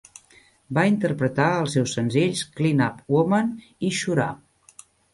Va interpretar els seus senzills "Clean Up Woman" i "Shoorah!